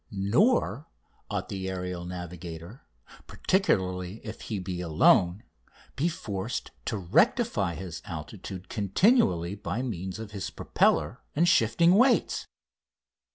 Nor ought the aerial navigator, particularly if he be alone, be forced to rectify his altitude continually by means of his propeller and shifting weights.